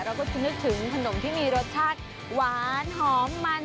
เราก็จะนึกถึงขนมที่มีรสชาติหวานหอมมัน